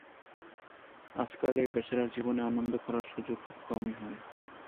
আজকাল এই বেচারার জীবনে আনন্দ করার সুযোগ খুব কমই হয়।